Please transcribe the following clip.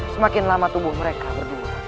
semakin lama tubuh mereka berdua